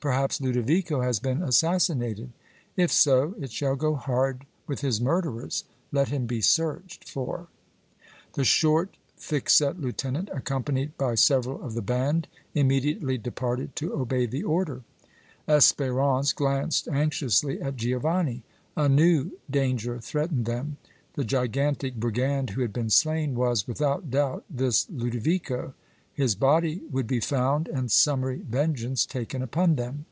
"Perhaps Ludovico has been assassinated! If so, it shall go hard with his murderers! Let him be searched for." The short, thick set lieutenant, accompanied by several of the band, immediately departed to obey the order. Espérance glanced anxiously at Giovanni. A new danger threatened them. The gigantic brigand who had been slain was, without doubt, this Ludovico. His body would be found and summary vengeance taken upon them.